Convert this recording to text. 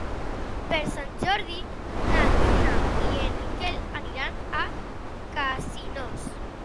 Per Sant Jordi na Duna i en Miquel aniran a Casinos.